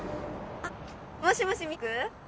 あっもしもし実久？